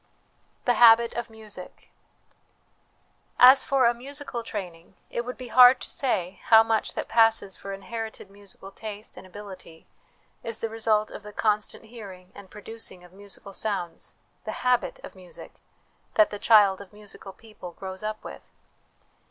The Habit of Music. As for a musical training, it would be hard to say how much that passes for inherited musical taste and ability is the result of the constant hearing and producing of musical sounds, the habit of music, that the child of musical people grows up with.